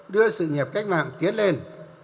đưa sự nghiệp cách mạng tiến lên